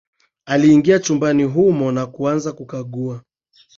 Aliingia chumbani humo na kuanza kukagua